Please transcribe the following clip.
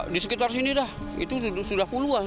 di sekitar sini dah itu sudah puluhan